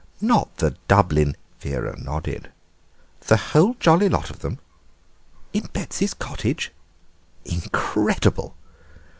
"Not the Dublin—?" Vera nodded. "The whole jolly lot of them." "In Betsy's cottage? Incredible!"